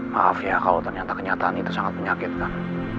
maaf ya kalau ternyata kenyataan itu sangat menyakitkan